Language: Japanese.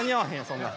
そんなん。